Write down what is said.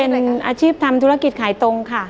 เป็นอาชีพทำธุรกิจขายตรงค่ะ